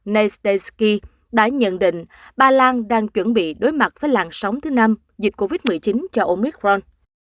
neustesky đã nhận định bà lan đang chuẩn bị đối mặt với làn sóng thứ năm dịch covid một mươi chín cho omicron